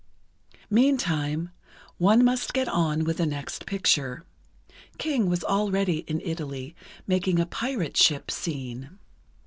Meantime, one must get on with the next picture. King was already in Italy, making a pirate ship scene.